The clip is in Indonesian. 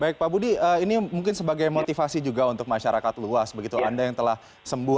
baik pak budi ini mungkin sebagai motivasi juga untuk masyarakat luas begitu anda yang telah sembuh